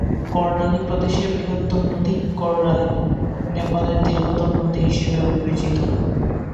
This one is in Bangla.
কর্ণালী প্রদেশের বৃহত্তম নদী ""কর্ণালী"" নেপালের দীর্ঘতম নদী হিসেবেও বিবেচিত।